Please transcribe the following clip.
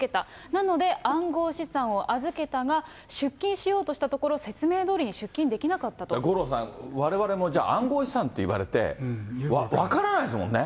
なので、暗号資産を預けたが、出金しようとしたところ、五郎さん、われわれもじゃあ、暗号資産って言われて、分からないですもんね。